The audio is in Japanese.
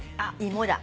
芋だ。